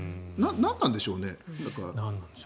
何なんでしょうね。